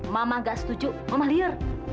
mama gak setuju mama liar